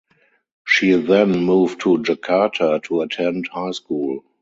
She then moved to Jakarta to attend high school.